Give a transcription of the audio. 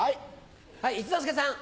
はい一之輔さん。